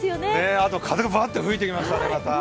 あと、風がバーッと吹いてきましたね、また。